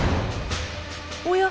おや？